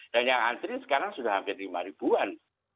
dan yang antri sekarang sudah hampir lima ribuan